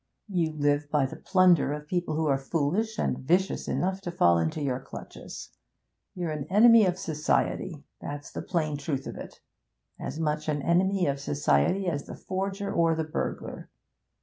You live by the plunder of people who are foolish and vicious enough to fall into your clutches. You're an enemy of society that's the plain truth of it; as much an enemy of society as the forger or the burglar.